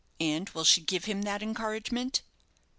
"And will she give him that encouragement?"